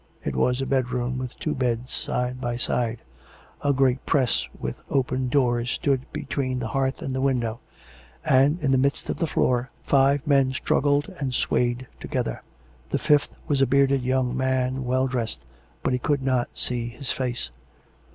It was a bedroom, with two beds side by side: a great press with open doors stood between the hearth and the window; and, in the midst of the floor, five men struggled and swayed together. The fifth was a bearded young man, well dressed; but he could not see his face.